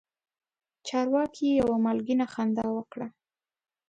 چارواکي یوه مالګینه خندا وکړه.